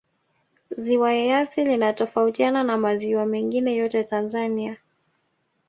ziwa eyasi linatofautiana na maziwa mengine yote tanzania